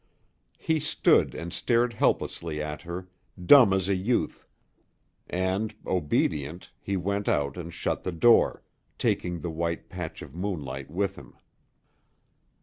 He stood and stared helplessly at her, dumb as a youth. And, obedient, he went out and shut the door, taking the white patch of moonlight with him.